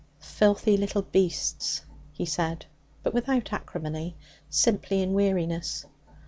'Filthy little beasts!' he said, but without acrimony, simply in weariness.